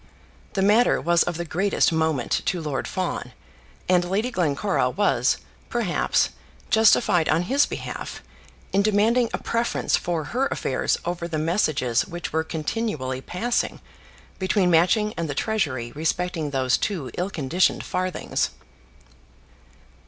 The matter was of the greatest moment to Lord Fawn, and Lady Glencora was, perhaps, justified, on his behalf, in demanding a preference for her affairs over the messages which were continually passing between Matching and the Treasury respecting those two ill conditioned farthings.